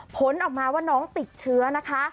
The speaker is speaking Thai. ผลออกมาว่าน้องติดเชื้อนะคะ